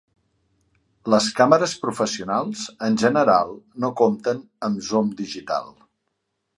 Les càmeres professionals, en general, no compten amb zoom digital.